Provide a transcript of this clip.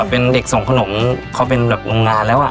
เป็นเด็กส่งขนมเขาเป็นแบบโรงงานแล้ว